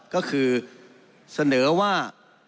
ก็คือเสนอว่า